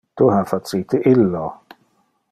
Tu ha facite illo.